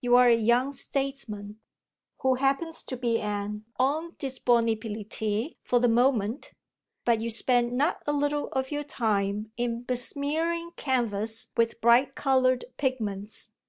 You're a young statesman who happens to be an en disponibilité for the moment but you spend not a little of your time in besmearing canvas with bright coloured pigments.